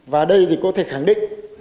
và đây thì có thể khẳng định